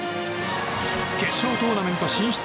決勝トーナメント進出